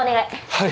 はい！